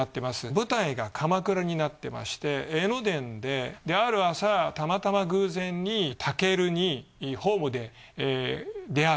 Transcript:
舞台が鎌倉になってまして江ノ電である朝たまたま偶然にタケルにホームで出会う。